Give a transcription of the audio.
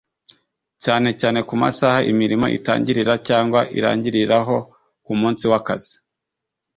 cyane cyane ku masaha imirimo itangirira cyangwa irangiriraho ku munsi w’akazi